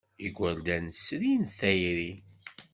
Igerdan srin tayri.